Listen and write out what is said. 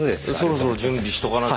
そろそろ準備しとかなきゃ。